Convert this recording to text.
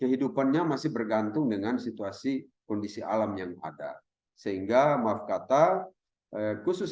kehidupannya masih bergantung dengan situasi kondisi alam yang ada sehingga maaf kata khusus